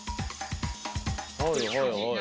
はいはいはい。